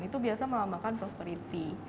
itu biasa melambangkan prosperity